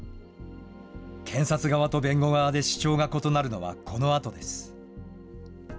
検察側と弁護側で主張が異なるのはこのあとです。